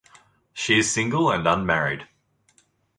She is single and unmarried.